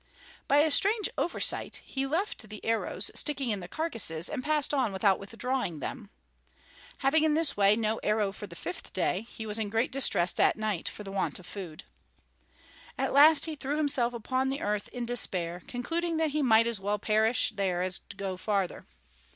By a strange oversight he left the arrows sticking in the carcasses and passed on without withdrawing them. Having in this way no arrow for the fifth day, he was in great distress at night for the want of food. At last he threw himself upon the earth in despair, concluding that he might as well perish there as go farther.